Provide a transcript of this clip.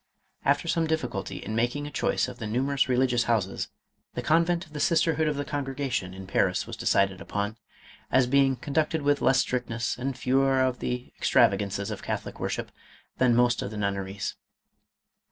After some difficulty in making a choice of the nu merous religious houses, the convent of the sisterhood of the Congregation in Paris, was decided upon, as be ing conducted with less strictness and fewer of the ex travagances of Catholic worship than most of the nun neries.